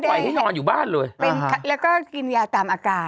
เขาปล่อยให้นอนอยู่บ้านเลยแล้วก็กินยาตามอาการ